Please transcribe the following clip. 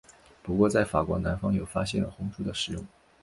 不过在法国南方有发现红赭的使用。